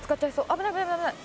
危ない危ない危ない」